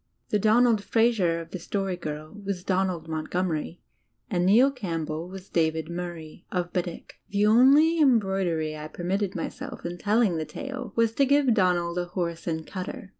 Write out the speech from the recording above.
The Donald Fraser of The Story Girl was Donald Montgomery, and Neil Campbell was David Murray, of Bedeque. The only em broidery I permitted myself in the telling of the tale was to give Donald a horse and cutter.